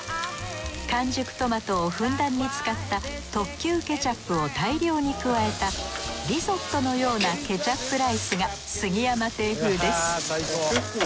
完熟トマトをふんだんに使った特級ケチャップを大量に加えたリゾットのようなケチャップライスが杉山亭風です。